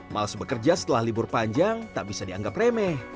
males bekerja setelah libur panjang tak bisa dianggap remeh